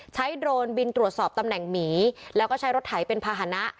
โดรนบินตรวจสอบตำแหน่งหมีแล้วก็ใช้รถไถเป็นภาษณะ